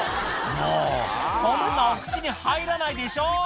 もうそんなお口に入らないでしょ